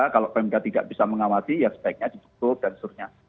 kalau pmk tidak bisa mengawasi ya sebaiknya ditutup dan seterusnya